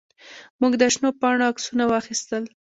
موږ د شنو پاڼو عکسونه واخیستل.